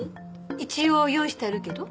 一応用意してあるけど。